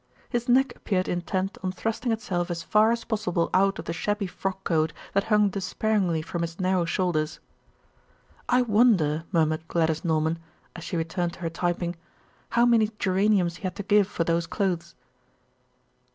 His neck appeared intent on thrusting itself as far as possible out of the shabby frock coat that hung despairingly from his narrow shoulders. "I wonder," murmured Gladys Norman, as she returned to her typing, "how many geraniums he had to give for those clothes."